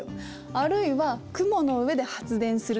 あるいは雲の上で発電するとか！